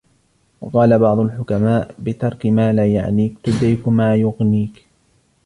وَقَالَ بَعْضُ الْحُكَمَاءِ بِتَرْكِ مَا لَا يَعْنِيك تُدْرِكُ مَا يُغْنِيك